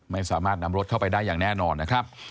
ไม่สามารถนำรถเข้าไปได้อย่างแน่นอนนะครับ